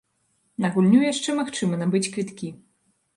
На гульню яшчэ магчыма набыць квіткі.